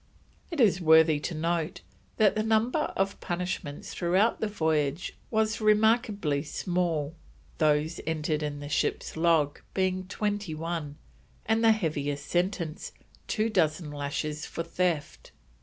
It is worthy of note that the number of punishments throughout the voyage was remarkably small, those entered in the ship's log being twenty one, and the heaviest sentence, two dozen lashes for theft.